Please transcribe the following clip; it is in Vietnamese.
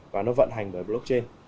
và nó vận hành bởi blockchain